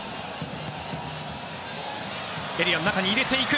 エリアの中に入れていく。